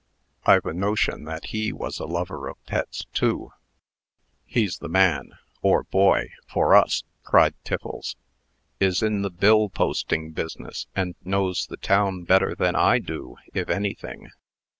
I've a notion that he was a lover of Pet's, too." "He's the man, or boy, for us!" cried Tiffles. "Is in the bill posting business, and knows the town better than I do, if anything.